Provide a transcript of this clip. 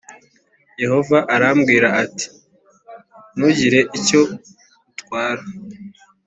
yehova arambwira ati ‘ntugire icyo utwara